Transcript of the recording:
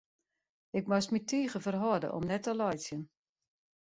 Ik moast my tige ferhâlde om net te laitsjen.